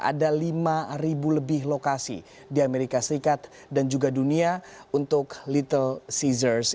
ada lima lebih lokasi di amerika serikat dan juga dunia untuk little seasors